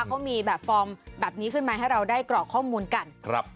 เขามีแบบฟอร์มแบบนี้ขึ้นมาให้เราได้กรอกข้อมูลกันครับ